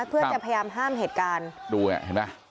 เพื่อจะพยายามห้ามเหตุการณ์